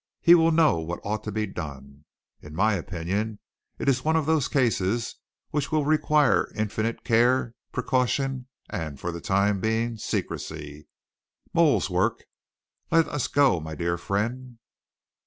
He will know what ought to be done. In my opinion, it is one of those cases which will require infinite care, precaution, and, for the time being, secrecy mole's work. Let us go, my dear friend."